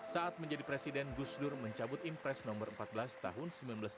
saat menjadi presiden gusdur mencabut impres no empat belas tahun seribu sembilan ratus sembilan puluh